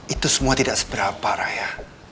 itu semua tidak seberapa rakyat